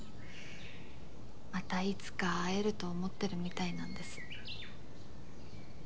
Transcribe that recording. またいつか会えると思ってるみたいなんです。